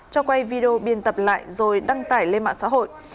cho quay video biên tập lại rồi đăng tải lên mạng xã hội